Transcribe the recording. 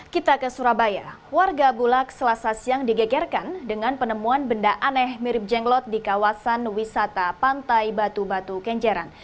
kita ke surabaya warga bulak selasa siang digegerkan dengan penemuan benda aneh mirip jenglot di kawasan wisata pantai batu batu kenjeran